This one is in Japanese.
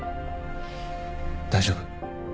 大丈夫。